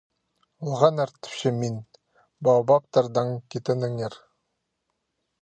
«Олғаннар! – тіпчем мин. – Баобабтардаң китеніңер!»